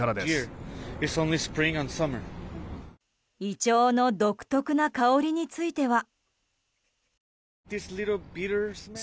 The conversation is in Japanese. イチョウの独特な香りについては。